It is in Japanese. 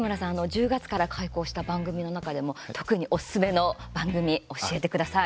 １０月から開講した番組の中でも特におすすめの番組教えてください。